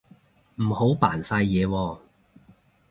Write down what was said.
唔好扮晒嘢喎